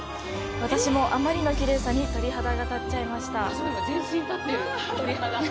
私もあまりのきれいさに鳥肌が立っちゃいました。